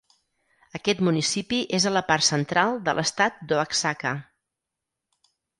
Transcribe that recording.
Aquest municipi és a la part central de l'estat d'Oaxaca.